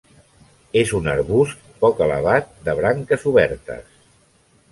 És un arbust poc elevat, de branques obertes.